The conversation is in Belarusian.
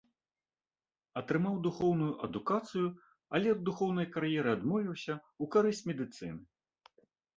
Атрымаў духоўную адукацыю, але ад духоўнай кар'еры адмовіўся ў карысць медыцыны.